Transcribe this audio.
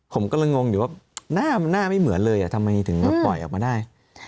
ผมกำลังงงอยู่ว่าหน้ามันหน้าไม่เหมือนเลยทำไมถึงมาปล่อยออกมาได้